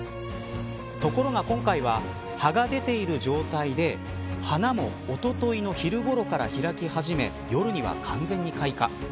ところが今回は葉が出ている状態で花もおとといの昼ごろから開き始め夜には完全に開花。